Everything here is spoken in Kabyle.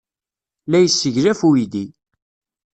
La yesseglaf uydi.